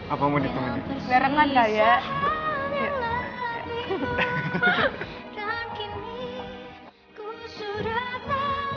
apa mau di komedi